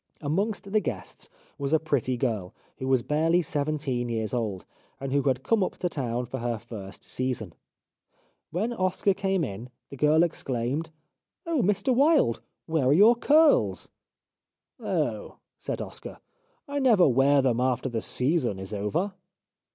Amongst the guests was a pretty girl, who was barely seventeen years old, and who had come up to town for her first season. When Oscar came in the girl exclaimed :" Oh ! Mr Wilde, where are your curls ?"" Oh !" said Oscar, " I never wear them after the season is over."